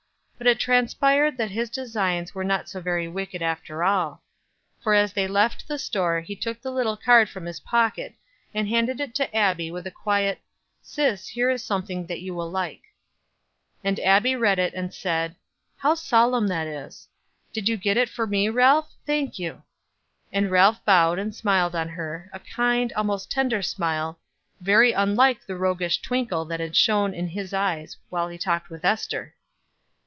But it transpired that his designs were not so very wicked after all; for as they left the store he took the little card from his pocket, and handed it to Abbie with a quiet: "Sis, here is something that you will like." And Abbie read it and said: "How solemn that is. Did you get it for me, Ralph? Thank you." And Ralph bowed and smiled on her, a kind, almost tender smile, very unlike the roguish twinkle that had shone in his eyes while he talked with Ester.